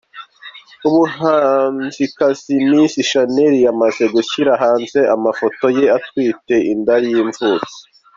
Umuhanzikazi Miss Shanel yamaze gushyira hanze amafoto ye atwite inda y’imvutsi.